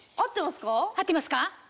合ってますか？